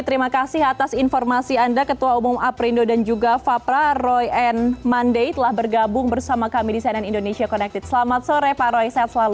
terima kasih pak roy